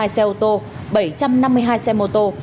ba mươi hai xe ô tô bảy trăm năm mươi hai xe mô tô